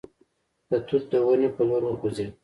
د توت د ونې په لور وخوځېد.